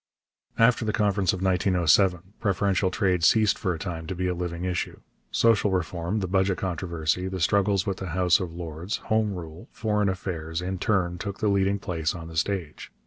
After the Conference of 1907 preferential trade ceased for a time to be a living issue. Social reform, the budget controversy, the struggles with the House of Lords, Home Rule, foreign affairs, in turn took the leading place on the stage.